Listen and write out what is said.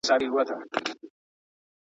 حیات الله په خپله ځوانۍ کې ډېرې مېلې کړي دي.